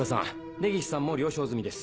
根岸さんも了承済みです。